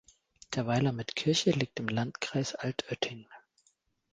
Der Weiler mit Kirche liegt im Landkreis Altötting.